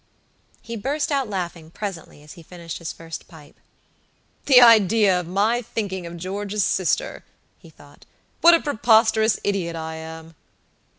He burst out laughing presently as he finished his first pipe. "The idea of my thinking of George's sister," he thought; "what a preposterous idiot I am!"